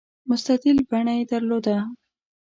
مستطیل بڼه یې درلوده.